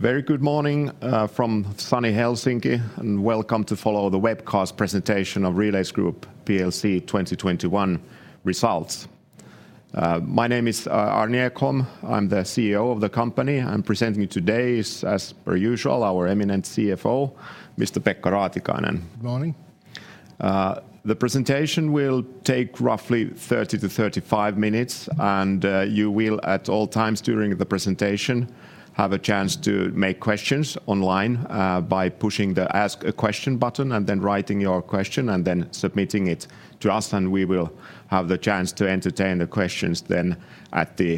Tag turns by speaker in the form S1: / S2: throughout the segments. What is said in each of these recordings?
S1: Very good morning from sunny Helsinki, and welcome to follow the webcast presentation of Relais Group PLC 2021 results. My name is Arni Ekholm. I'm the CEO of the company. Presenting today is, as per usual, our eminent CFO, Mr. Pekka Raatikainen.
S2: Good morning.
S1: The presentation will take roughly 30-35 minutes, and you will at all times during the presentation have a chance to make questions online by pushing the Ask a Question button and then writing your question and then submitting it to us, and we will have the chance to entertain the questions then at the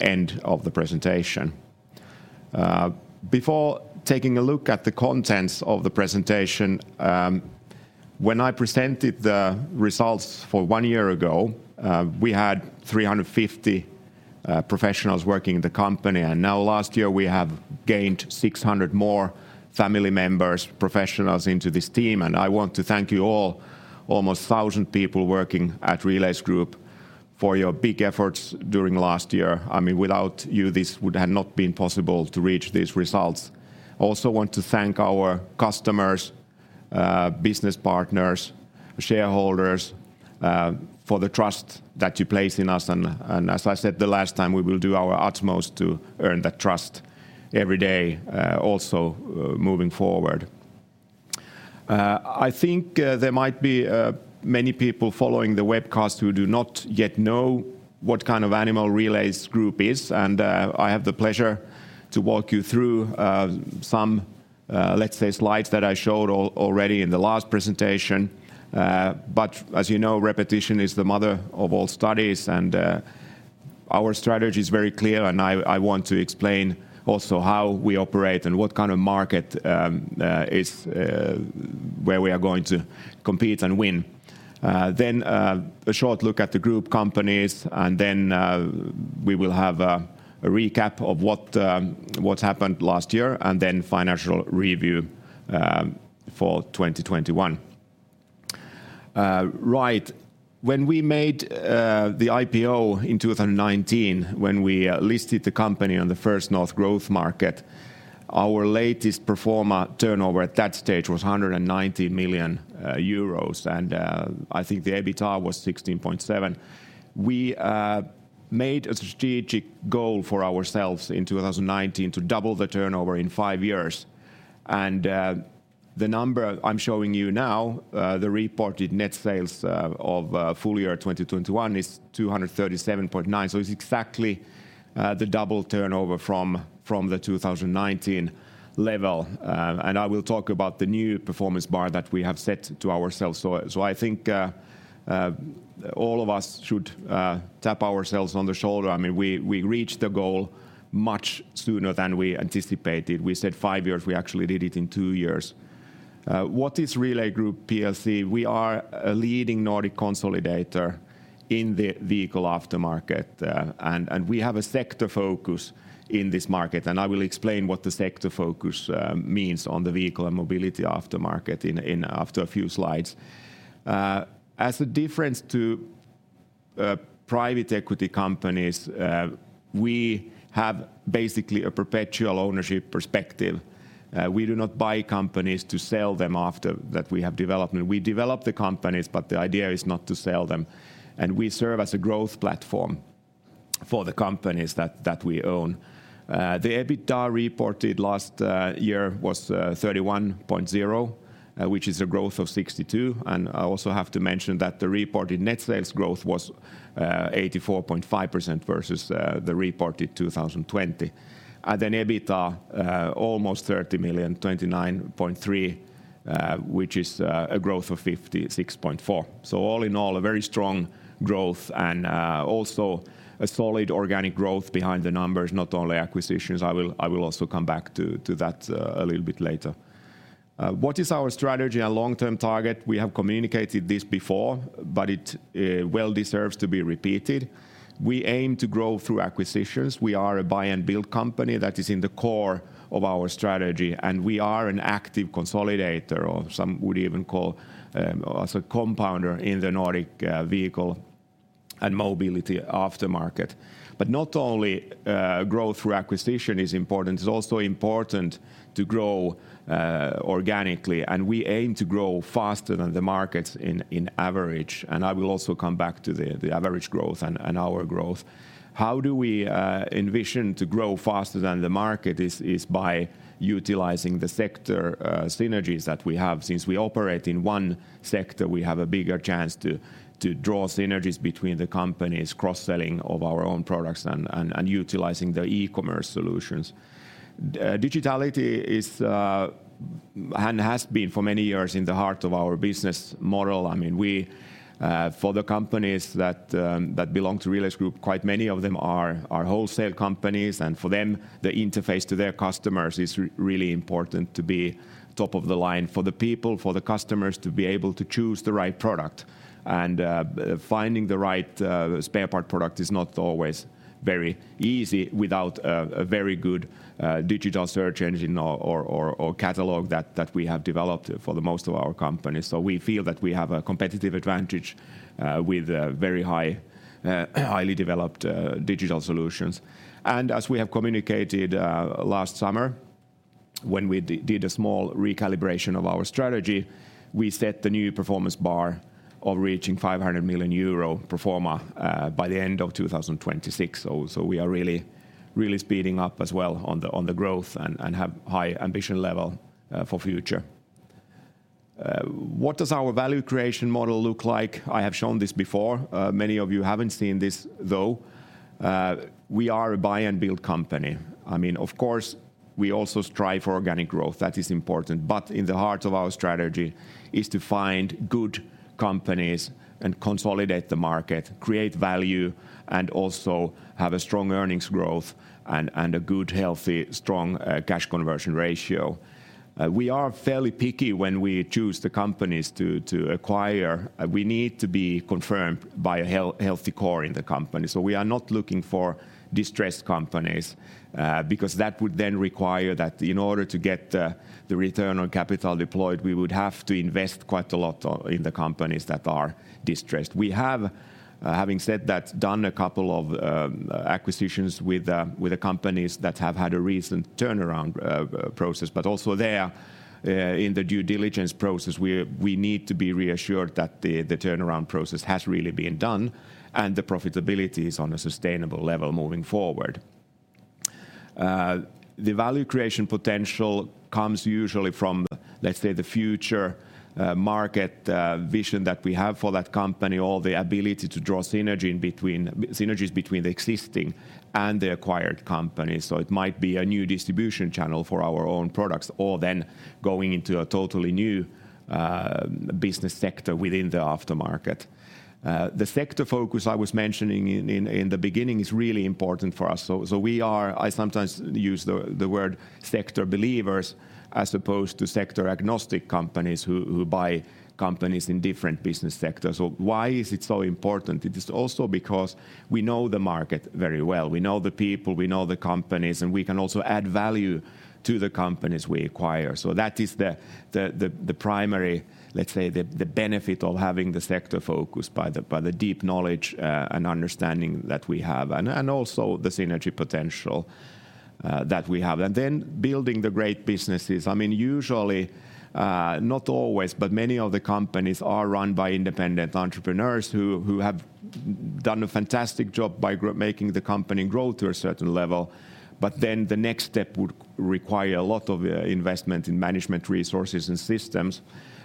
S1: end of the presentation. Before taking a look at the contents of the presentation, when I presented the results for one year ago, we had 350 professionals working in the company, and now last year we have gained 600 more family members, professionals into this team, and I want to thank you all, almost 1,000 people working at Relais Group, for your big efforts during last year. I mean, without you, this would have not been possible to reach these results. also want to thank our customers, business partners, shareholders, for the trust that you place in us, and as I said the last time, we will do our utmost to earn that trust every day, also moving forward. I think there might be many people following the webcast who do not yet know what kind of animal Relais Group is, and I have the pleasure to walk you through some let's say slides that I showed already in the last presentation. As you know, repetition is the mother of all studies, and our strategy is very clear, and I want to explain also how we operate and what kind of market is where we are going to compete and win. A short look at the group companies, and then we will have a recap of what happened last year, and then financial review for 2021. Right. When we made the IPO in 2019, when we listed the company on the First North Growth Market, our latest pro forma turnover at that stage was 190 million euros, and I think the EBITDA was 16.7 million. We made a strategic goal for ourselves in 2019 to double the turnover in five years. The number I'm showing you now, the reported net sales of full year 2021 is 237.9 million, so it's exactly the double turnover from the 2019 level. I will talk about the new performance bar that we have set to ourselves. I think all of us should tap ourselves on the shoulder. I mean, we reached the goal much sooner than we anticipated. We said 5 years, we actually did it in 2 years. What is Relais Group Plc? We are a leading Nordic consolidator in the vehicle aftermarket, and we have a sector focus in this market, and I will explain what the sector focus means on the vehicle and mobility aftermarket after a few slides. As a difference to private equity companies, we have basically a perpetual ownership perspective. We do not buy companies to sell them after that we have development. We develop the companies, but the idea is not to sell them, and we serve as a growth platform for the companies that we own. The EBITDA reported last year was 31.0 million, which is a growth of 62%, and I also have to mention that the reported net sales growth was 84.5% versus the reported 2020. Then EBITDA almost 30 million, 29.3 million, which is a growth of 56.4%. All in all, a very strong growth and also a solid organic growth behind the numbers, not only acquisitions. I will also come back to that a little bit later. What is our strategy and long-term target? We have communicated this before, but it well deserves to be repeated. We aim to grow through acquisitions. We are a buy and build company. That is in the core of our strategy. We are an active consolidator, or some would even call as a compounder in the Nordic vehicle and mobility aftermarket. Not only growth through acquisition is important, it's also important to grow organically, and we aim to grow faster than the markets in average, and I will also come back to the average growth and our growth. How do we envision to grow faster than the market is by utilizing the sector synergies that we have. Since we operate in one sector, we have a bigger chance to draw synergies between the companies, cross-selling of our own products and utilizing the e-commerce solutions. Digitality is and has been for many years in the heart of our business model. I mean, for the companies that belong to Relais Group, quite many of them are wholesale companies, and for them, the interface to their customers is really important to be top of the line for the people, for the customers to be able to choose the right product. Finding the right spare part product is not always very easy without a very good digital search engine or catalog that we have developed for most of our companies. We feel that we have a competitive advantage with very highly developed digital solutions. As we have communicated last summer. When we did a small recalibration of our strategy, we set the new performance bar of reaching 500 million euro pro forma by the end of 2026. We are really speeding up as well on the growth and have high ambition level for future. What does our value creation model look like? I have shown this before. Many of you haven't seen this though. We are a buy and build company. I mean, of course, we also strive for organic growth. That is important. In the heart of our strategy is to find good companies and consolidate the market, create value, and also have a strong earnings growth and a good, healthy, strong cash conversion ratio. We are fairly picky when we choose the companies to acquire. We need to have a healthy core in the company. We are not looking for distressed companies, because that would then require that in order to get the return on capital deployed, we would have to invest quite a lot in the companies that are distressed. Having said that, we have done a couple of acquisitions with the companies that have had a recent turnaround process, but also, in the due diligence process, we need to be reassured that the turnaround process has really been done and the profitability is on a sustainable level moving forward. The value creation potential comes usually from, let's say, the future market vision that we have for that company or the ability to draw synergies between the existing and the acquired companies. It might be a new distribution channel for our own products or then going into a totally new business sector within the aftermarket. The sector focus I was mentioning in the beginning is really important for us. We are. I sometimes use the word sector believers as opposed to sector agnostic companies who buy companies in different business sectors. Why is it so important? It is also because we know the market very well. We know the people, we know the companies, and we can also add value to the companies we acquire. That is the primary, let's say, benefit of having the sector focus by the deep knowledge and understanding that we have and also the synergy potential that we have. Building the great businesses, I mean, usually, not always, but many of the companies are run by independent entrepreneurs who have done a fantastic job by making the company grow to a certain level. The next step would require a lot of investment in management resources and systems.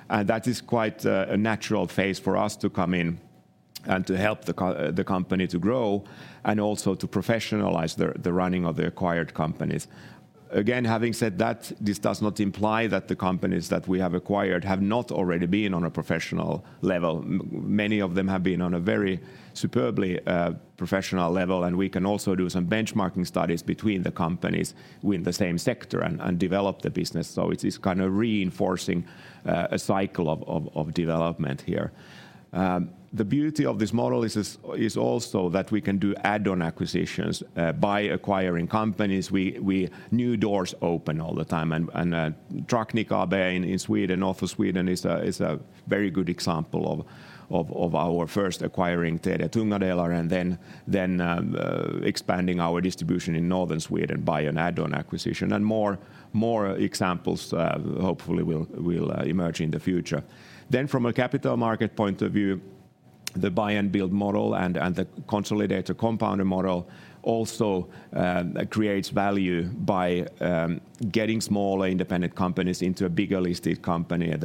S1: That is quite a natural phase for us to come in and to help the company to grow and also to professionalize the running of the acquired companies. Again, having said that, this does not imply that the companies that we have acquired have not already been on a professional level. Many of them have been on a very superbly professional level, and we can also do some benchmarking studies between the companies within the same sector and develop the business. It is kind of reinforcing a cycle of development here. The beauty of this model is also that we can do add-on acquisitions by acquiring companies. New doors open all the time and Trucknik AB in Sweden, north of Sweden is a very good example of our first acquiring TD Tunga Delar and then expanding our distribution in northern Sweden by an add-on acquisition. More examples hopefully will emerge in the future. From a capital market point of view, the buy and build model and the consolidator compounder model also creates value by getting smaller independent companies into a bigger listed company.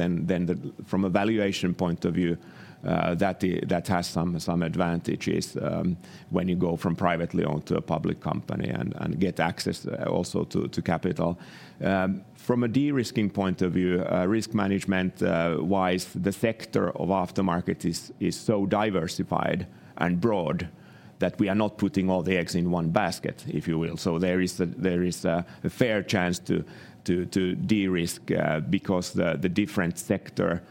S1: From a valuation point of view, that has some advantages when you go from privately owned to a public company and get access also to capital. From a de-risking point of view, risk management wise, the sector of aftermarket is so diversified and broad that we are not putting all the eggs in one basket, if you will. There is a fair chance to de-risk because the different sector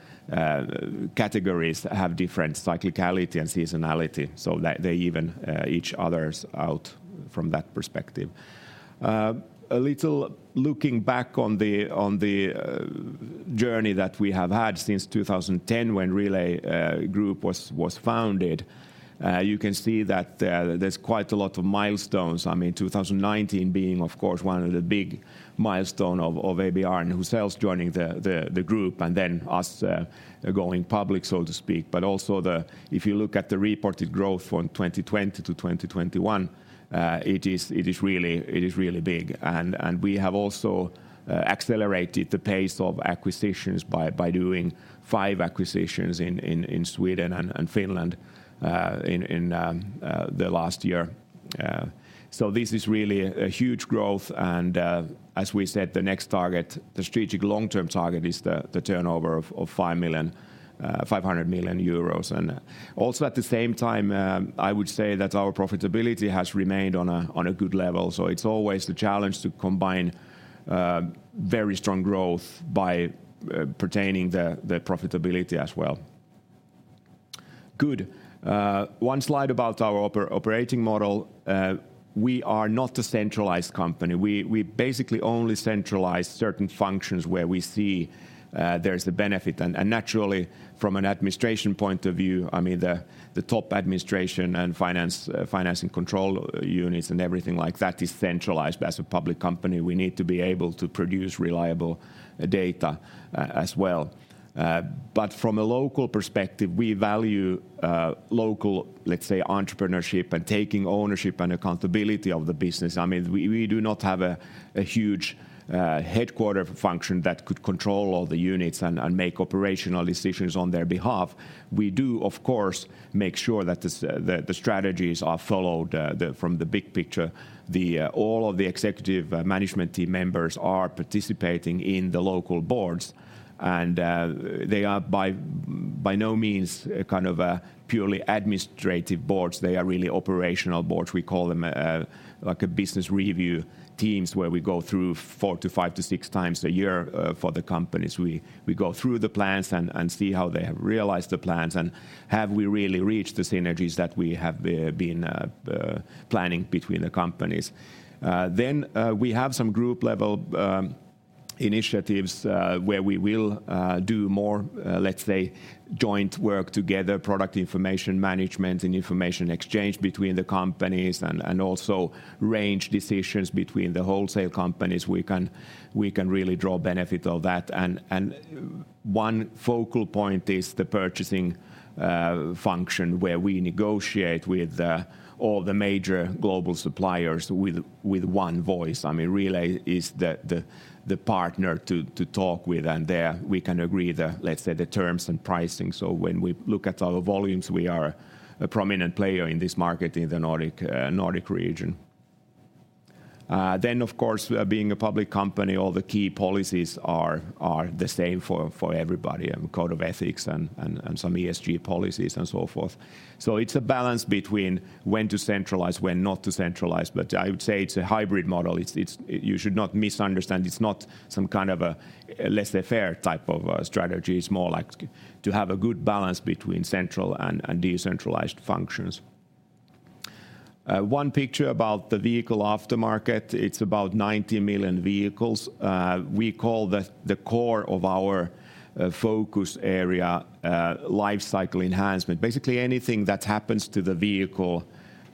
S1: categories have different cyclicality and seasonality, so that they even each other out from that perspective. A little looking back on the journey that we have had since 2010 when Relais Group was founded, you can see that there's quite a lot of milestones. I mean, 2019 being of course one of the big milestone of ABR and Huzells joining the group and then us going public, so to speak. If you look at the reported growth from 2020 to 2021, it is really big. We have also accelerated the pace of acquisitions by doing 5 acquisitions in Sweden and Finland in the last year. This is really a huge growth and, as we said, the next target, the strategic long-term target is the turnover of 500 million euros. Also at the same time, I would say that our profitability has remained on a good level. It's always the challenge to combine very strong growth by maintaining the profitability as well. Good. One slide about our operating model. We are not a centralized company. We basically only centralize certain functions where we see there's a benefit. And naturally from an administration point of view, I mean, the top administration and finance and control units and everything like that is centralized. As a public company, we need to be able to produce reliable data as well. From a local perspective, we value local, let's say, entrepreneurship and taking ownership and accountability of the business. I mean, we do not have a huge headquarters function that could control all the units and make operational decisions on their behalf. We do, of course, make sure that the strategies are followed from the big picture. All of the executive management team members are participating in the local boards and they are by no means kind of a purely administrative boards. They are really operational boards. We call them like a business review teams where we go through 4 to 5 to 6 times a year for the companies. We go through the plans and see how they have realized the plans and have we really reached the synergies that we have been planning between the companies. We have some group level initiatives where we will do more, let's say, joint work together, product information management and information exchange between the companies and also range decisions between the wholesale companies. We can really draw benefit of that. One focal point is the purchasing function where we negotiate with all the major global suppliers with one voice. I mean, Relais is the partner to talk with and there we can agree the, let's say, the terms and pricing. When we look at our volumes, we are a prominent player in this market in the Nordic region. Of course, being a public company, all the key policies are the same for everybody, code of ethics and some ESG policies and so forth. It's a balance between when to centralize, when not to centralize, but I would say it's a hybrid model. You should not misunderstand. It's not some kind of a laissez-faire type of strategy. It's more like to have a good balance between central and decentralized functions. One picture about the vehicle aftermarket, it's about 90 million vehicles. We call the core of our focus area lifecycle enhancement. Basically anything that happens to the vehicle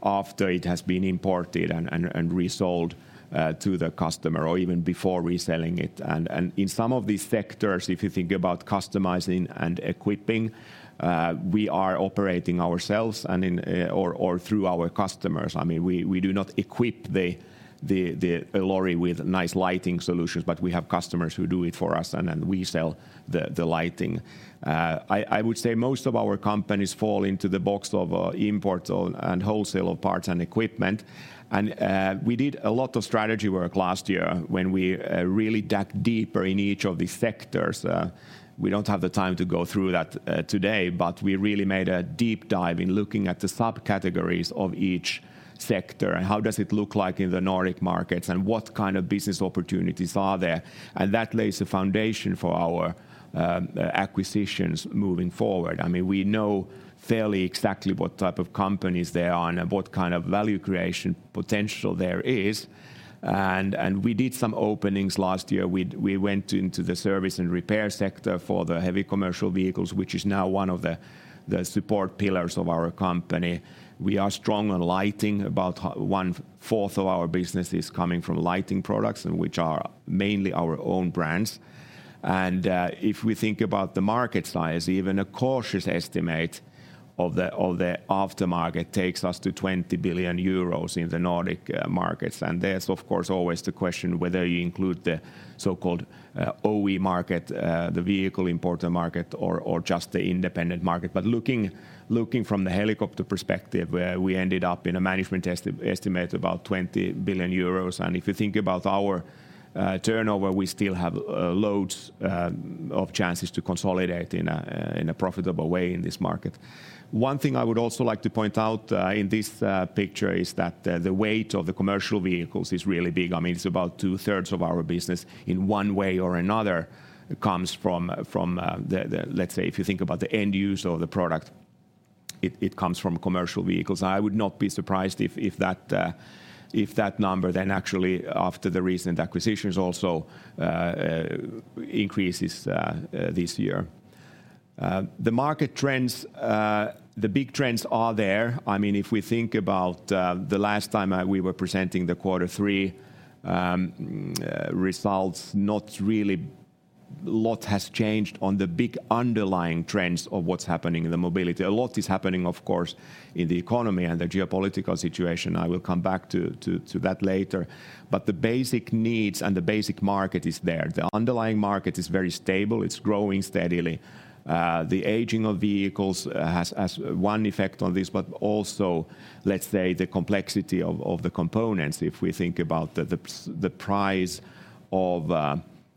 S1: after it has been imported and resold to the customer or even before reselling it. In some of these sectors, if you think about customizing and equipping, we are operating ourselves and in or through our customers. I mean, we do not equip the lorry with nice lighting solutions, but we have customers who do it for us, and we sell the lighting. I would say most of our companies fall into the box of import and wholesale of parts and equipment. We did a lot of strategy work last year when we really dug deeper in each of these sectors. We don't have the time to go through that today, but we really made a deep dive in looking at the subcategories of each sector. How does it look like in the Nordic markets, and what kind of business opportunities are there? That lays the foundation for our acquisitions moving forward. I mean, we know fairly exactly what type of companies they are and what kind of value creation potential there is. We did some openings last year. We went into the service and repair sector for the heavy commercial vehicles, which is now one of the support pillars of our company. We are strong on lighting. About one-fourth of our business is coming from lighting products which are mainly our own brands. If we think about the market size, even a cautious estimate of the aftermarket takes us to 20 billion euros in the Nordic markets. There's of course always the question whether you include the so-called OE market, the vehicle importer market or just the independent market. Looking from the helicopter perspective, we ended up in a management estimate about 20 billion euros. If you think about our turnover, we still have loads of chances to consolidate in a profitable way in this market. One thing I would also like to point out in this picture is that the weight of the commercial vehicles is really big. I mean, it's about two-thirds of our business in one way or another comes from the. Let's say if you think about the end use of the product, it comes from commercial vehicles. I would not be surprised if that number then actually after the recent acquisitions also increases this year. The market trends, the big trends are there. I mean, if we think about the last time we were presenting the quarter three results, not really lot has changed on the big underlying trends of what's happening in the mobility. A lot is happening of course, in the economy and the geopolitical situation. I will come back to that later. The basic needs and the basic market is there. The underlying market is very stable. It's growing steadily. The aging of vehicles has one effect on this, but also, let's say, the complexity of the components, if we think about the price of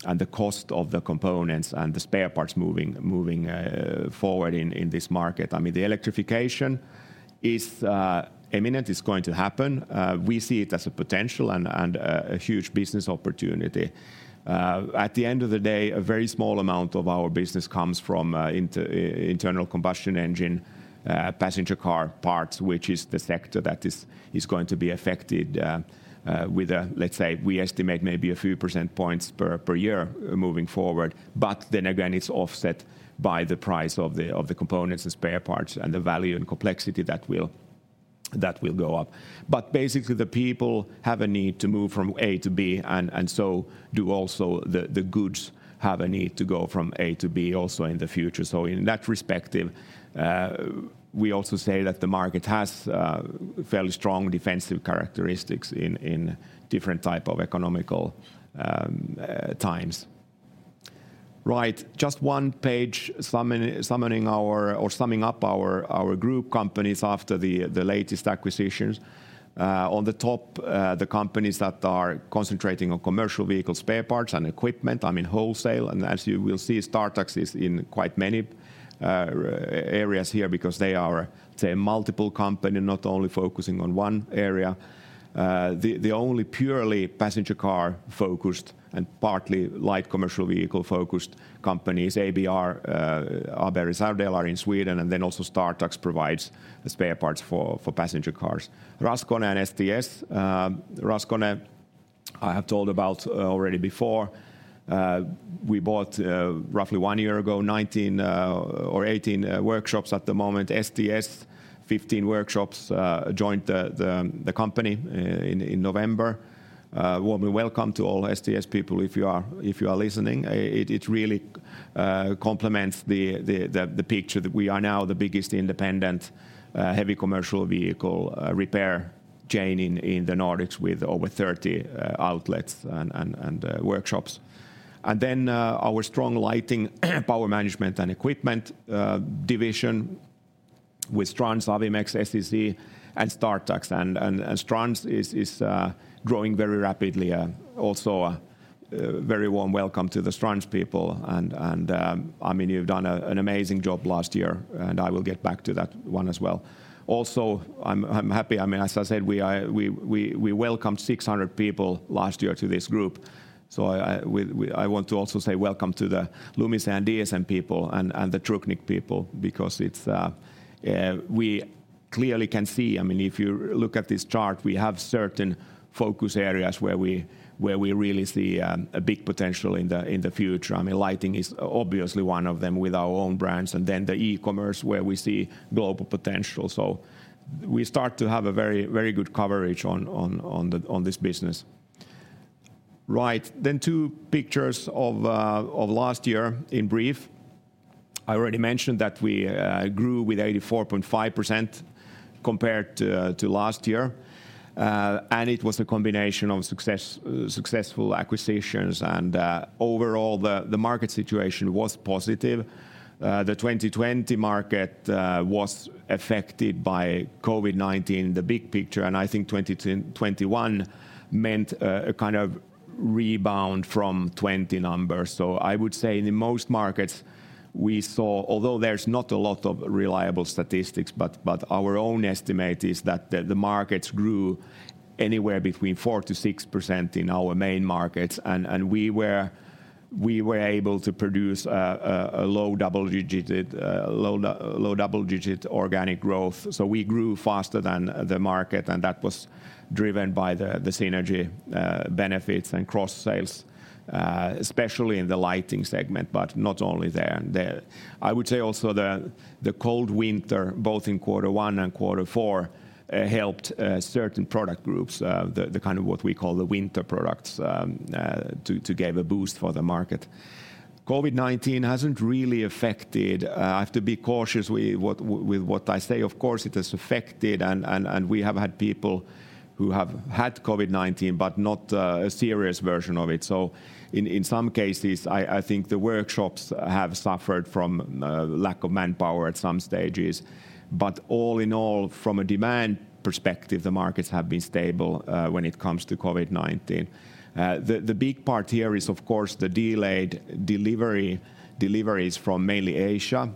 S1: and the cost of the components and the spare parts moving forward in this market. I mean, the electrification is imminent is going to happen. We see it as a potential and a huge business opportunity. At the end of the day, a very small amount of our business comes from internal combustion engine passenger car parts, which is the sector that is going to be affected. Let's say we estimate maybe a few percentage points per year moving forward. Then again, it's offset by the price of the components and spare parts and the value and complexity that will go up. Basically, the people have a need to move from A to B and so do also the goods have a need to go from A to B also in the future. In that respect, we also say that the market has fairly strong defensive characteristics in different type of economic times. Right. Just one page summing up our group companies after the latest acquisitions. On the top, the companies that are concentrating on commercial vehicle spare parts and equipment, I mean, wholesale. As you will see, Startax is in quite many areas here because they are, say, a multiple company, not only focusing on one area. The only purely passenger car-focused and partly light commercial vehicle-focused companies, ABR, Arberis, Ardel are in Sweden, and then also Startax provides spare parts for passenger cars. Raskone and STS, Raskone I have told about already before. We bought roughly one year ago 19 or 18 workshops at the moment. STS, 15 workshops, joined the company in November. Warm welcome to all STS people if you are listening. It really complements the picture that we are now the biggest independent heavy commercial vehicle repair chain in the Nordics with over 30 outlets and workshops. Our strong lighting, power management, and equipment division with Strands, Awimex, SEC, and Startax. Strands is growing very rapidly, also, very warm welcome to the Strands people. I mean, you've done an amazing job last year, and I will get back to that one as well. Also, I'm happy, I mean, as I said, we welcomed 600 people last year to this group. I want to also say welcome to the Lumise and DSM people and the Trucknik people because we clearly can see, I mean, if you look at this chart, we have certain focus areas where we really see a big potential in the future. I mean, lighting is obviously one of them with our own brands, and then the e-commerce where we see global potential. We start to have a very, very good coverage on this business. Right. Two pictures of last year in brief. I already mentioned that we grew with 84.5% compared to last year. It was a combination of successful acquisitions and overall the market situation was positive. The 2020 market was affected by COVID-19, the big picture, and I think 2021 meant a kind of rebound from 2020 numbers. I would say in the most markets we saw, although there's not a lot of reliable statistics, but our own estimate is that the markets grew anywhere between 4%-6% in our main markets and we were able to produce a low double-digit organic growth. We grew faster than the market, and that was driven by the synergy benefits and cross sales especially in the lighting segment, but not only there. I would say also the cold winter, both in quarter one and quarter four, helped certain product groups, the kind of what we call the winter products, to give a boost for the market. COVID-19 hasn't really affected. I have to be cautious with what I say. Of course, it has affected and we have had people who have had COVID-19, but not a serious version of it. In some cases, I think the workshops have suffered from lack of manpower at some stages. All in all, from a demand perspective, the markets have been stable when it comes to COVID-19. The big part here is of course the delayed deliveries from mainly Asia,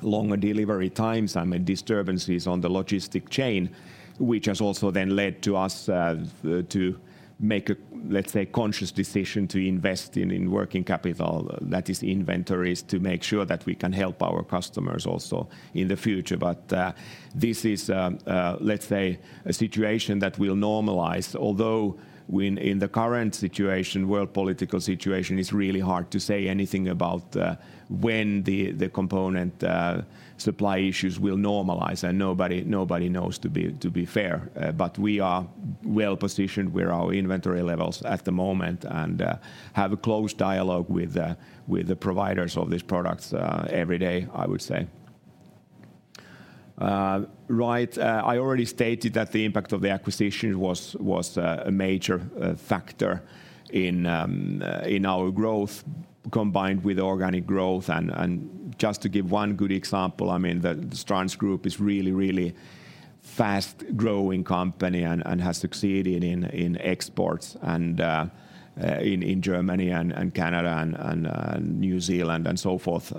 S1: longer delivery times and the disturbances on the logistics chain, which has also then led to us to make a, let's say, conscious decision to invest in working capital, that is inventories, to make sure that we can help our customers also in the future. This is a situation that will normalize. Although when in the current situation, world political situation, it's really hard to say anything about when the component supply issues will normalize and nobody knows to be fair. We are well-positioned with our inventory levels at the moment and have a close dialogue with the providers of these products every day, I would say. Right. I already stated that the impact of the acquisition was a major factor in our growth combined with organic growth. Just to give one good example, I mean, the Strands Group is really fast growing company and has succeeded in exports and in Germany and Canada and New Zealand and so forth.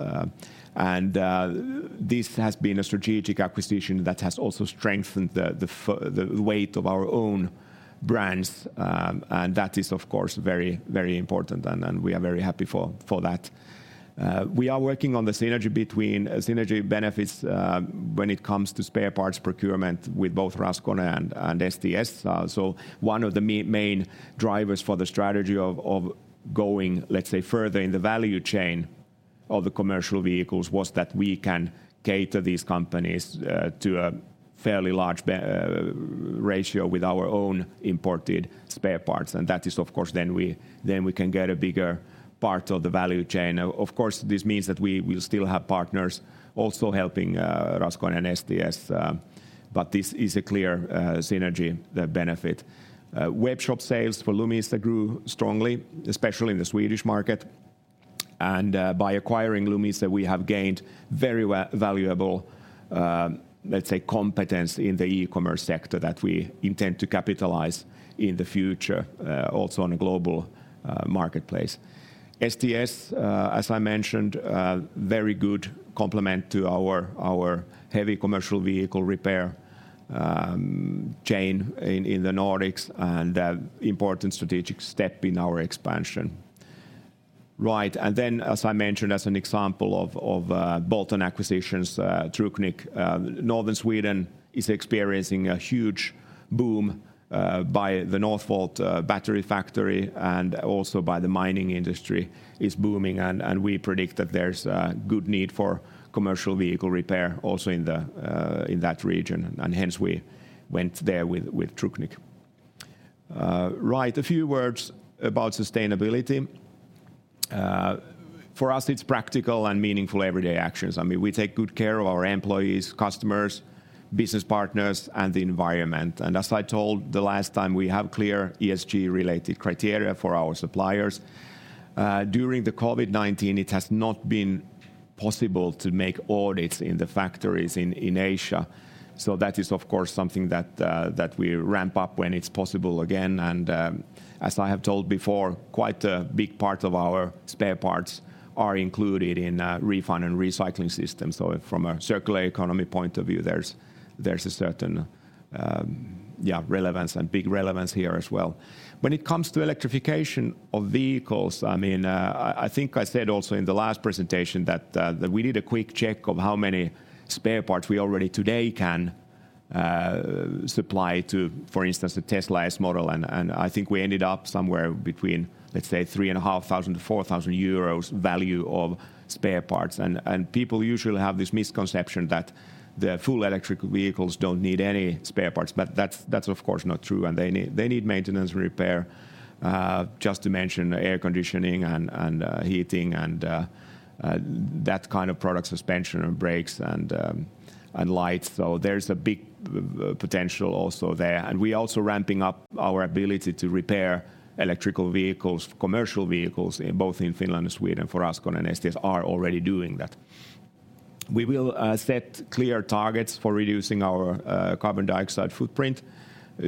S1: This has been a strategic acquisition that has also strengthened the weight of our own brands, and that is of course very important and we are very happy for that. We are working on synergy benefits when it comes to spare parts procurement with both Raskone and STS. One of the main drivers for the strategy of going, let's say, further in the value chain of the commercial vehicles was that we can cater these companies to a fairly large ratio with our own imported spare parts. That is of course, then we can get a bigger part of the value chain. Of course, this means that we will still have partners also helping Raskone and STS, but this is a clear synergy, the benefit. Webshop sales for Lumise grew strongly, especially in the Swedish market, and by acquiring Lumise, we have gained very valuable, let's say, competence in the e-commerce sector that we intend to capitalize in the future, also on a global marketplace. STS, as I mentioned, a very good complement to our heavy commercial vehicle repair chain in the Nordics and important strategic step in our expansion. Right. Then as I mentioned as an example of bolt-on acquisitions, Trucknik. Northern Sweden is experiencing a huge boom by the Northvolt battery factory and also by the mining industry is booming and we predict that there's a good need for commercial vehicle repair also in that region, and hence we went there with Trucknik. Right. A few words about sustainability. For us, it's practical and meaningful everyday actions. I mean, we take good care of our employees, customers, business partners and the environment. As I told the last time, we have clear ESG related criteria for our suppliers. During the COVID-19, it has not been possible to make audits in the factories in Asia. That is of course something that we ramp up when it's possible again, and as I have told before, quite a big part of our spare parts are included in refund and recycling systems. From a circular economy point of view, there's a certain yeah relevance and big relevance here as well. When it comes to electrification of vehicles, I mean I think I said also in the last presentation that we did a quick check of how many spare parts we already today can supply to, for instance, the Tesla Model S, and I think we ended up somewhere between, let's say 3,500-4,000 euros value of spare parts. People usually have this misconception that full electric vehicles don't need any spare parts, but that's of course not true, and they need maintenance and repair, just to mention air conditioning and heating and that kind of product suspension and brakes and lights. There's a big potential also there. We're also ramping up our ability to repair electric vehicles, commercial vehicles, both in Finland and Sweden for Raskone and STS are already doing that. We will set clear targets for reducing our carbon dioxide footprint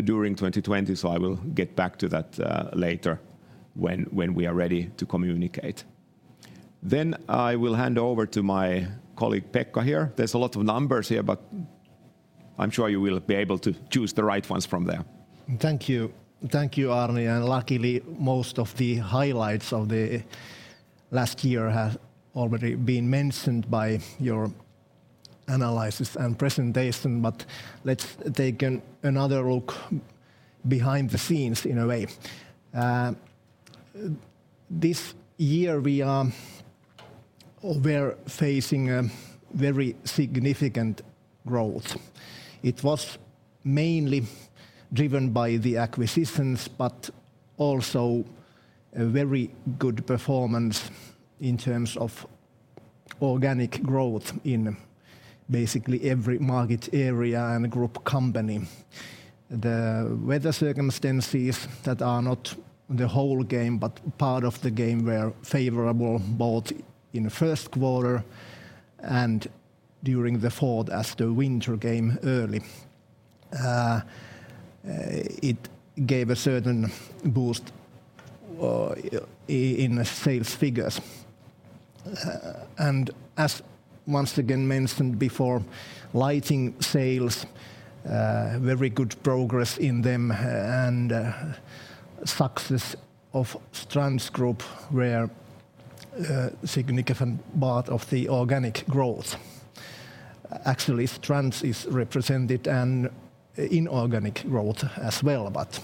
S1: during 2020. I will get back to that later when we are ready to communicate. I will hand over to my colleague, Pekka, here. There's a lot of numbers here, but I'm sure you will be able to choose the right ones from there.
S2: Thank you. Thank you, Arni, and luckily, most of the highlights of the last year have already been mentioned by your analysis and presentation, but let's take another look behind the scenes in a way. This year we're facing a very significant growth. It was mainly driven by the acquisitions, but also a very good performance in terms of organic growth in basically every market area and group company. The weather circumstances that are not the whole game, but part of the game were favorable both in first quarter and during the fourth as the winter came early. It gave a certain boost in sales figures. And as once again mentioned before, lighting sales, very good progress in them and success of Strands Group were a significant part of the organic growth. Actually, Strands represents inorganic growth as well, but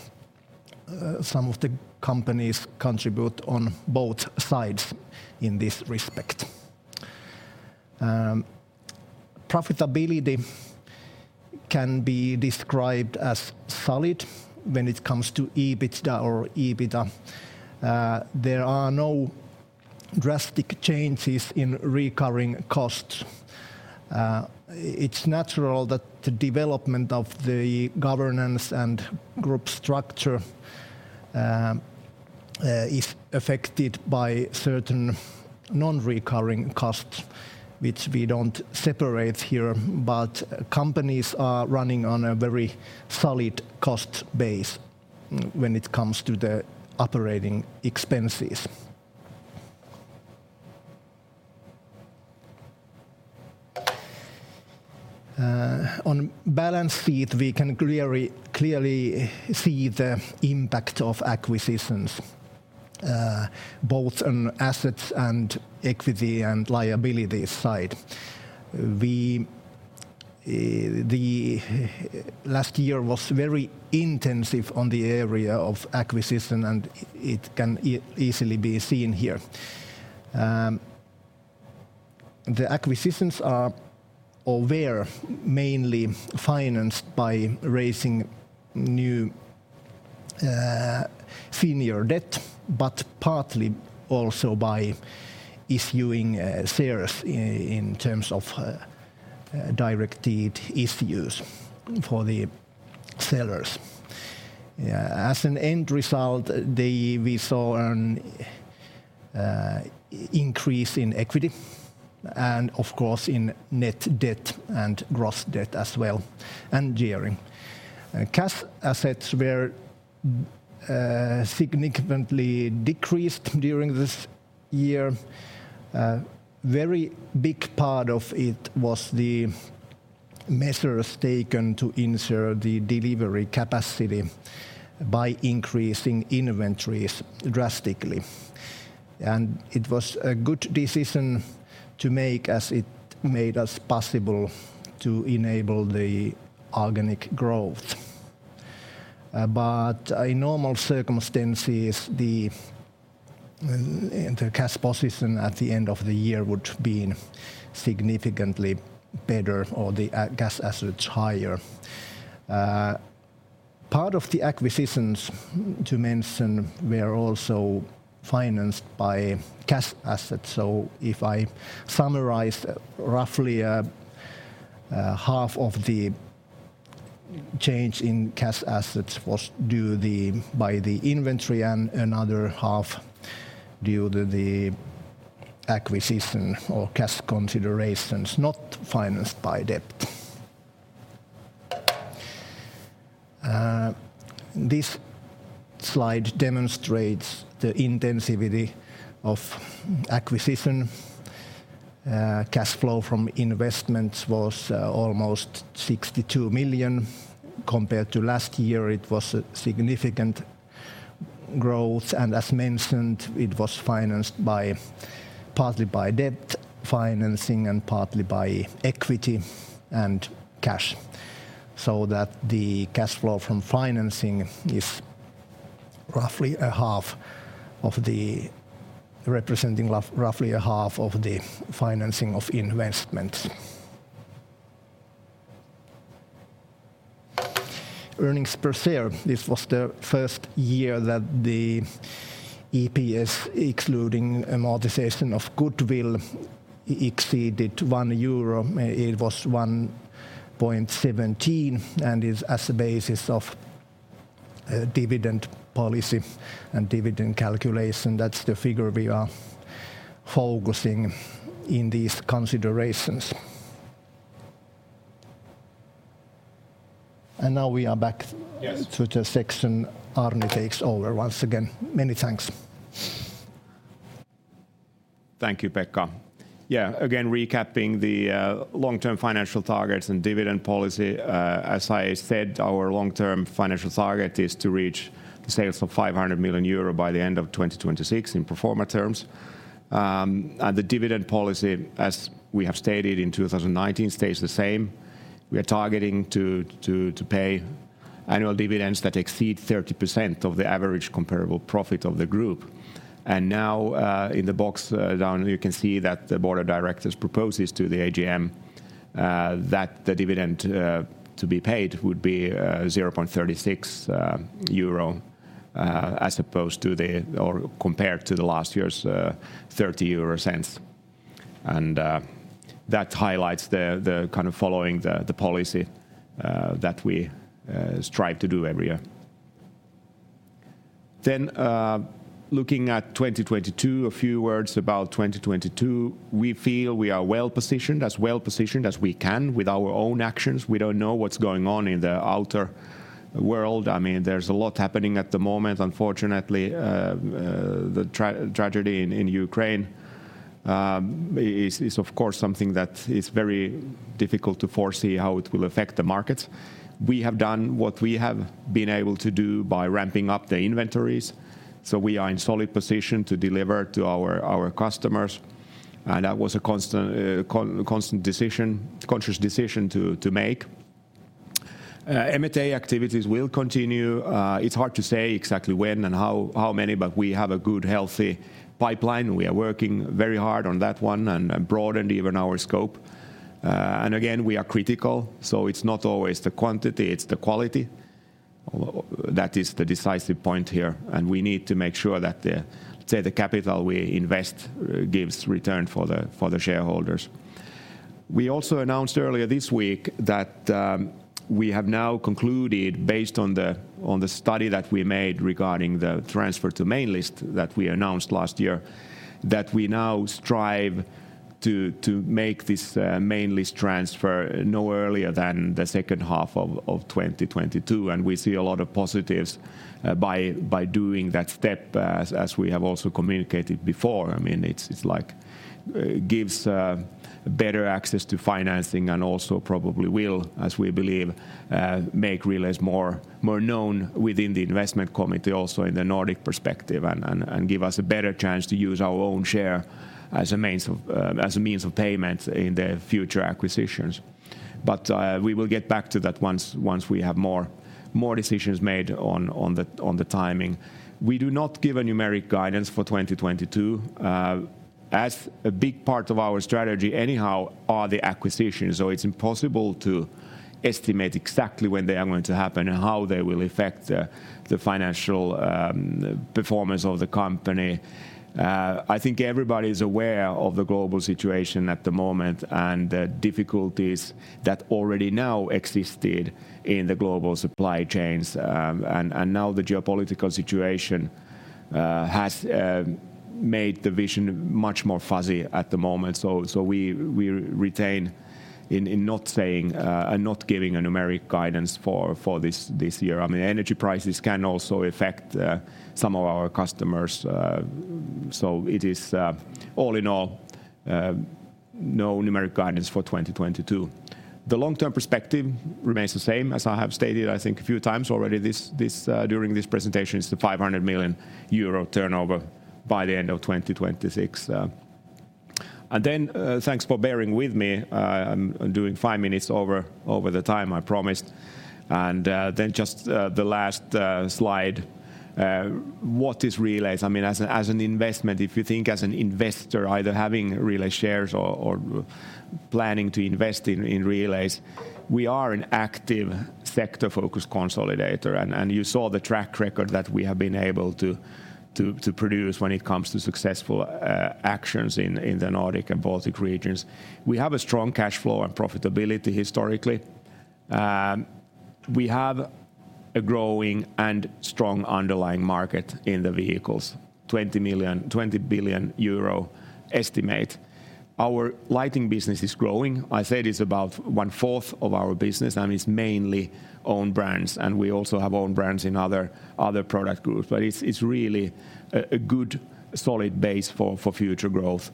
S2: some of the companies contribute on both sides in this respect. Profitability can be described as solid when it comes to EBITDA. There are no drastic changes in recurring costs. It's natural that the development of the governance and group structure is affected by certain non-recurring costs which we don't separate here, but companies are running on a very solid cost base when it comes to the operating expenses. On balance sheet, we can clearly see the impact of acquisitions, both on assets and equity and liability side. The last year was very intensive on the area of acquisition, and it can easily be seen here. The acquisitions are or were mainly financed by raising new senior debt, but partly also by issuing shares in terms of directed issues for the sellers. As an end result, we saw an increase in equity and of course in net debt and gross debt as well, and gearing. Cash assets were significantly decreased during this year. Very big part of it was the measures taken to ensure the delivery capacity by increasing inventories drastically. It was a good decision to make as it made it possible to enable the organic growth. In normal circumstances, the cash position at the end of the year would have been significantly better or the cash assets higher. Part of the acquisitions to mention were also financed by cash assets. If I summarize, roughly, half of the change in cash assets was due to the inventory and another half due to the acquisition or cash considerations not financed by debt. This slide demonstrates the intensity of acquisition. Cash flow from investments was almost 62 million compared to last year. It was a significant growth, and as mentioned, it was financed partly by debt financing and partly by equity and cash, so that the cash flow from financing is roughly a half of the financing of investments. Earnings per share. This was the first year that the EPS excluding amortization of goodwill exceeded 1 euro. It was 1.17 and is the basis of dividend policy and dividend calculation. That's the figure we are focusing on in these considerations. Now we are back.
S1: Yes.
S2: To the section, Arni takes over once again. Many thanks.
S1: Thank you, Pekka. Yeah, again, recapping the long-term financial targets and dividend policy, as I said, our long-term financial target is to reach sales of 500 million euro by the end of 2026 in pro forma terms. The dividend policy, as we have stated in 2019, stays the same. We are targeting to pay annual dividends that exceed 30% of the average comparable profit of the group. Now, in the box down you can see that the board of directors proposes to the AGM that the dividend to be paid would be 0.36 euro compared to last year's 0.30 EUR. That highlights the kind of following the policy that we strive to do every year. Looking at 2022, a few words about 2022. We feel we are well-positioned as we can with our own actions. We don't know what's going on in the outer world. I mean, there's a lot happening at the moment, unfortunately. The tragedy in Ukraine is of course something that is very difficult to foresee how it will affect the markets. We have done what we have been able to do by ramping up the inventories, so we are in solid position to deliver to our customers. That was a constant conscious decision to make. M&A activities will continue. It's hard to say exactly when and how many, but we have a good, healthy pipeline. We are working very hard on that one and broadened even our scope. Again, we are critical, so it's not always the quantity, it's the quality. That is the decisive point here, and we need to make sure that, let's say, the capital we invest gives return for the shareholders. We also announced earlier this week that we have now concluded based on the study that we made regarding the transfer to main list that we announced last year, that we now strive to make this main list transfer no earlier than the second half of 2022, and we see a lot of positives by doing that step as we have also communicated before. I mean, it's like gives better access to financing and also probably will, as we believe, make Relais more known within the investment committee also in the Nordic perspective and give us a better chance to use our own share as a means of payment in the future acquisitions. We will get back to that once we have more decisions made on the timing. We do not give a numeric guidance for 2022. As a big part of our strategy anyhow are the acquisitions, so it's impossible to estimate exactly when they are going to happen and how they will affect the financial performance of the company. I think everybody's aware of the global situation at the moment and the difficulties that already now existed in the global supply chains, and now the geopolitical situation has made the vision much more fuzzy at the moment. We retain in not saying and not giving a numeric guidance for this year. I mean, energy prices can also affect some of our customers, so it is all in all no numeric guidance for 2022. The long-term perspective remains the same. As I have stated, I think, a few times already during this presentation, is the 500 million euro turnover by the end of 2026. Thanks for bearing with me. I'm doing 5 minutes over the time I promised. The last slide, what is Relais? I mean, as an investment, if you think as an investor either having Relais shares or planning to invest in Relais, we are an active sector-focused consolidator. You saw the track record that we have been able to produce when it comes to successful actions in the Nordic and Baltic regions. We have a strong cash flow and profitability historically. We have a growing and strong underlying market in the vehicles, 20 million, 20 billion euro estimate. Our lighting business is growing. I said it's about one-fourth of our business, and it's mainly own brands, and we also have own brands in other product groups. It's really a good solid base for future growth.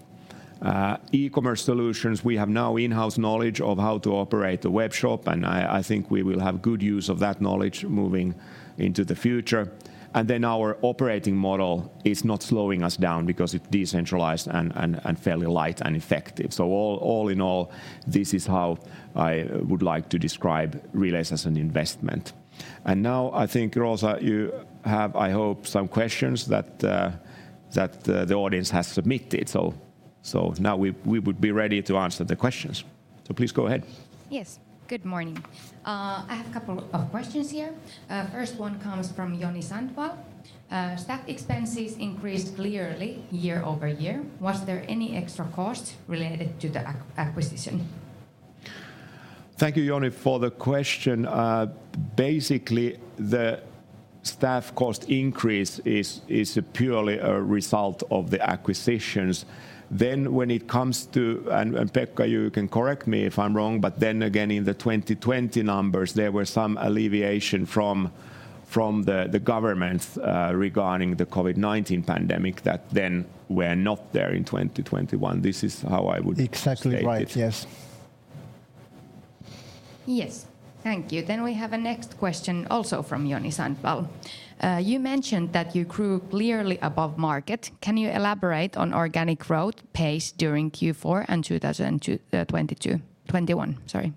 S1: E-commerce solutions, we have now in-house knowledge of how to operate a web shop, and I think we will have good use of that knowledge moving into the future. Our operating model is not slowing us down because it's decentralized and fairly light and effective. All in all, this is how I would like to describe Relais as an investment. Now I think, Rosa, you have, I hope, some questions that the audience has submitted. Now we would be ready to answer the questions. Please go ahead.
S3: Yes. Good morning. I have a couple of questions here. First one comes from Joni Sandvall. Staff expenses increased clearly year-over-year. Was there any extra cost related to the acquisition?
S1: Thank you, Joni, for the question. Basically the staff cost increase is purely a result of the acquisitions. When it comes to Pekka, you can correct me if I'm wrong, but then again in the 2020 numbers, there were some alleviation from the governments regarding the COVID-19 pandemic that then were not there in 2021. This is how I would state it.
S2: Exactly right, yes.
S3: Yes. Thank you. We have a next question also from Joni Sandvall. You mentioned that you grew clearly above market. Can you elaborate on organic growth pace during Q4 and 2020 to 2021, sorry?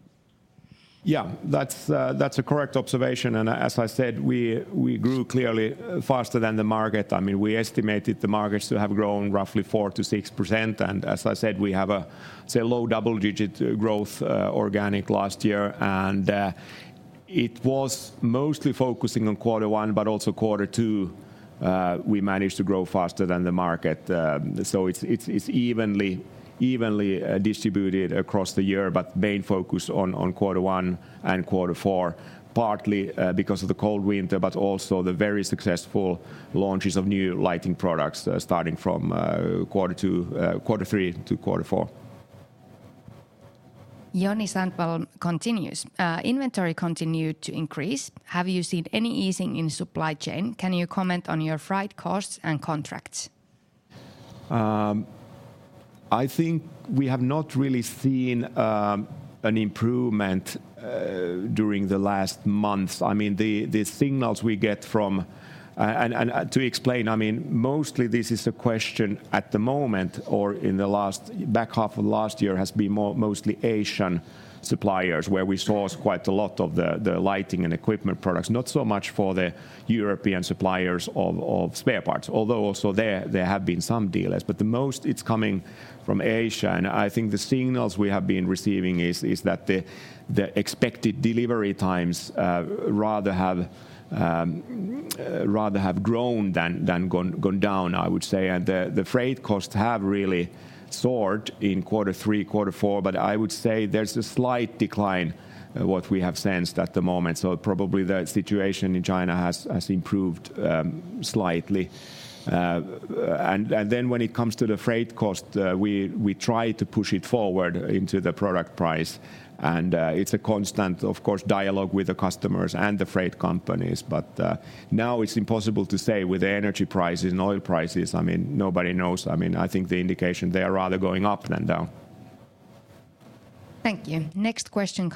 S1: Yeah. That's a correct observation. As I said, we grew clearly faster than the market. I mean, we estimated the markets to have grown roughly 4%-6%. As I said, we have a, say, low double-digit growth, organic last year. It was mostly focusing on quarter one, but also quarter two, we managed to grow faster than the market. It's evenly distributed across the year, but main focus on quarter one and quarter four, partly because of the cold winter, but also the very successful launches of new lighting products, starting from quarter two, quarter three to quarter four.
S3: Joni Sandvall continues. Inventory continued to increase. Have you seen any easing in supply chain? Can you comment on your freight costs and contracts?
S1: I think we have not really seen an improvement during the last months. I mean, the signals we get from—and to explain, I mean, mostly this is a question at the moment or in the last back half of last year has been mostly Asian suppliers, where we source quite a lot of the lighting and equipment products, not so much for the European suppliers of spare parts. Although also there have been some delays. But the most, it's coming from Asia. I think the signals we have been receiving is that the expected delivery times rather have grown than gone down, I would say. The freight costs have really soared in quarter three, quarter four, but I would say there's a slight decline what we have sensed at the moment. Probably the situation in China has improved slightly. Then when it comes to the freight cost, we try to push it forward into the product price. It's a constant, of course, dialogue with the customers and the freight companies. Now it's impossible to say with the energy prices and oil prices. I mean, nobody knows. I mean, I think the indication, they are rather going up than down.
S3: Thank you. Next question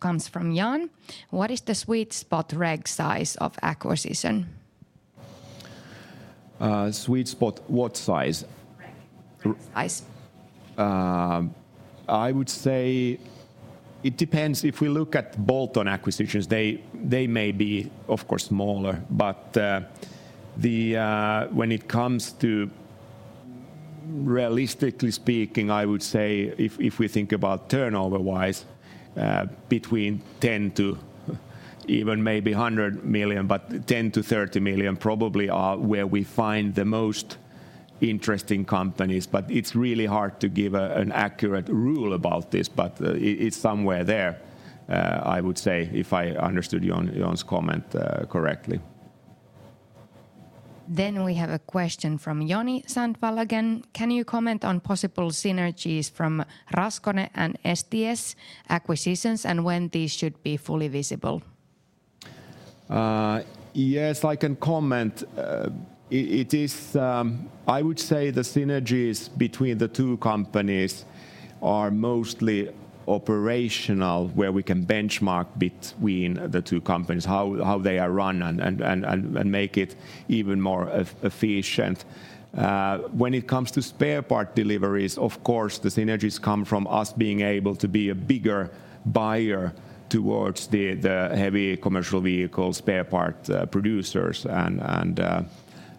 S3: comes from Jan. "What is the sweet spot regarding size of acquisition?
S1: Sweet spot what size?
S3: Size.
S1: I would say it depends. If we look at bolt-on acquisitions, they may be of course smaller, but the. When it comes to realistically speaking, I would say if we think about turnover-wise, between 10 million to even maybe 100 million, but 10 million-30 million probably are where we find the most interesting companies. It's really hard to give an accurate rule about this, but it's somewhere there, I would say, if I understood Jan's comment correctly.
S3: We have a question from Joni Sandvall again. "Can you comment on possible synergies from Raskone and STS acquisitions, and when these should be fully visible?
S1: Yes, I can comment. It is. I would say the synergies between the two companies are mostly operational, where we can benchmark between the two companies, how they are run and make it even more efficient. When it comes to spare part deliveries, of course, the synergies come from us being able to be a bigger buyer towards the heavy commercial vehicle spare part producers and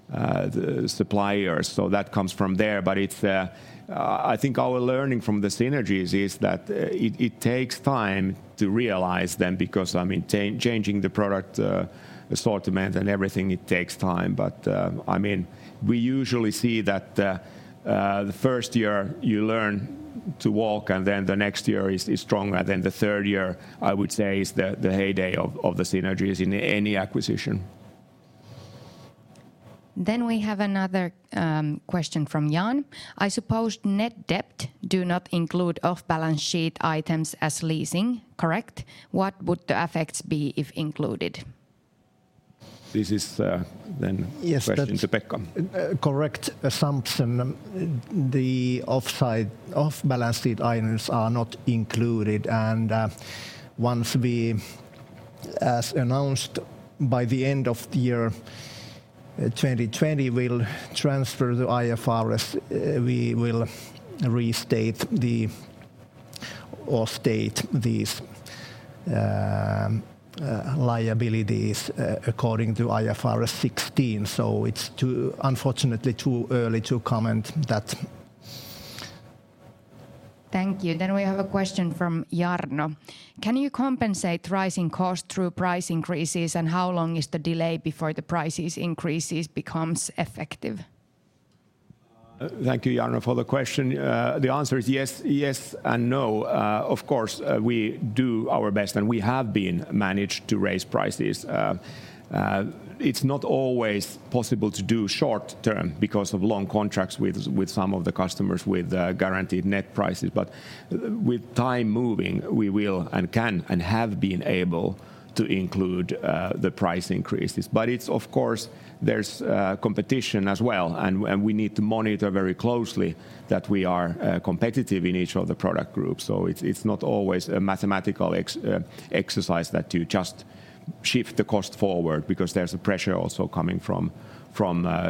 S1: the suppliers. So that comes from there. I think our learning from the synergies is that it takes time to realize them because, I mean, changing the product assortment and everything, it takes time. I mean, we usually see that the first year you learn to walk, and then the next year is stronger. The third year, I would say, is the heyday of the synergies in any acquisition.
S3: We have another question from Jan. "I suppose net debt do not include off balance sheet items as leasing, correct? What would the effects be if included?
S1: This is.
S2: Yes, that's.
S1: a question to Pekka.
S2: A correct assumption. The off-balance sheet items are not included, and once we, as announced, by the end of the year 2020, we'll transfer the IFRS. We will restate these liabilities according to IFRS 16. It's unfortunately too early to comment that.
S3: Thank you. We have a question from Jarno. "Can you compensate rising costs through price increases, and how long is the delay before the price increases become effective?
S1: Thank you, Jarno, for the question. The answer is yes and no. Of course, we do our best, and we have managed to raise prices. It's not always possible to do short-term because of long contracts with some of the customers with guaranteed net prices. With time moving, we will, and can, and have been able to include the price increases. Of course, there's competition as well, and we need to monitor very closely that we are competitive in each of the product groups. It's not always a mathematical exercise that you just shift the cost forward because there's a pressure also coming from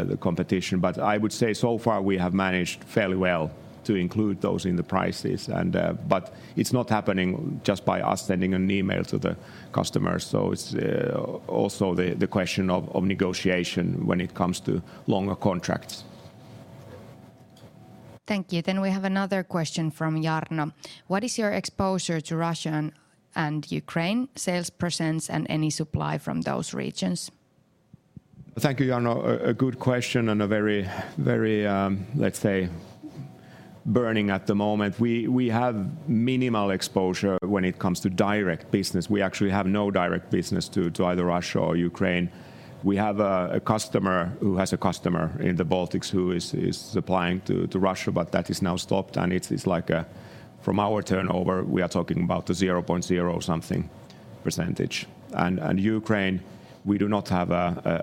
S1: the competition. I would say so far we have managed fairly well to include those in the prices, and, but it's not happening just by us sending an email to the customers. It's also the question of negotiation when it comes to longer contracts.
S3: Thank you. We have another question from Jarno. "What is your exposure to Russia and Ukraine sales percentages and any supply from those regions?
S1: Thank you, Jarno. A good question, and a very, let's say, burning at the moment. We have minimal exposure when it comes to direct business. We actually have no direct business to either Russia or Ukraine. We have a customer who has a customer in the Baltics who is supplying to Russia, but that is now stopped, and it's like, from our turnover, we are talking about a 0.0 something %. Ukraine, we do not have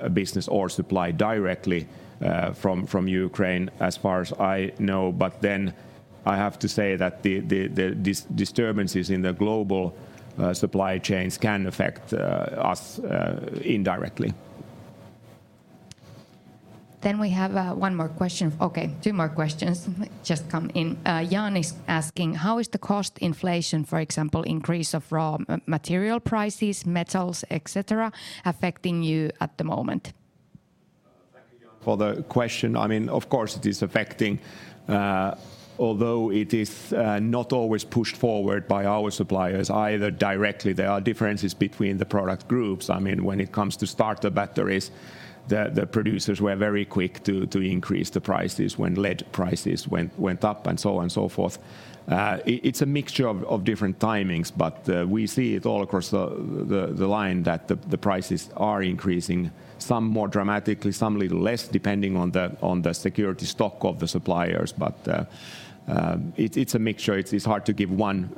S1: a business or supply directly, from Ukraine as far as I know. I have to say that the these disturbances in the global supply chains can affect us indirectly.
S3: We have one more question. Okay, two more questions just come in. Jan is asking, "How is the cost inflation, for example, increase of raw material prices, metals, et cetera, affecting you at the moment?
S1: For the question. I mean, of course, it is affecting, although it is not always pushed forward by our suppliers either directly. There are differences between the product groups. I mean, when it comes to starter batteries, the producers were very quick to increase the prices when lead prices went up and so on and so forth. It is a mixture of different timings, but we see it all across the line that the prices are increasing, some more dramatically, some a little less, depending on the security stock of the suppliers. But it is a mixture. It is hard to give one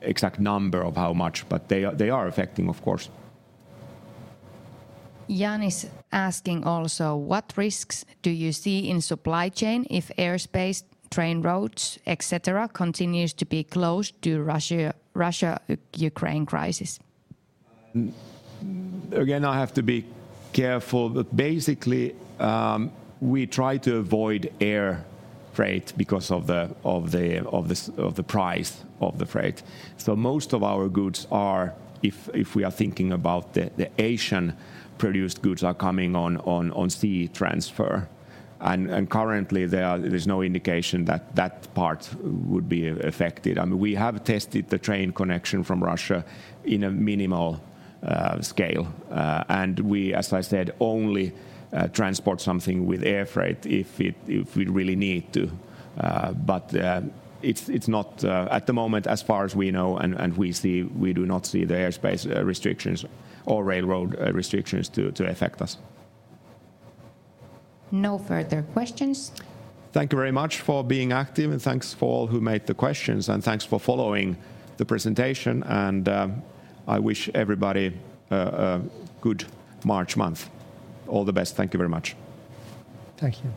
S1: exact number of how much, but they are affecting of course.
S3: Jan is asking also, "What risks do you see in supply chain if airspace, train roads, et cetera, continues to be closed due to Russia-Ukraine crisis?
S1: Again, I have to be careful, but basically, we try to avoid air freight because of the price of the freight. So most of our goods are, if we are thinking about the Asian-produced goods, are coming on sea transfer. Currently there's no indication that that part would be affected. I mean, we have tested the train connection from Russia in a minimal scale. We, as I said, only transport something with air freight if we really need to. But it's not, at the moment, as far as we know and we see, we do not see the airspace restrictions or railroad restrictions to affect us.
S3: No further questions.
S1: Thank you very much for being active, and thanks for all who made the questions, and thanks for following the presentation. I wish everybody a good March month. All the best. Thank you very much.
S2: Thank you.